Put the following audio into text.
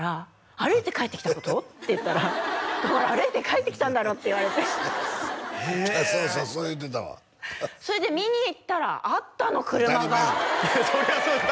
「歩いて帰ってきたってこと？」って言ったら「だから歩いて帰ってきたんだろ」って言われてへえそうそうそう言うてたわそれで見に行ったらあったの車がそりゃそうです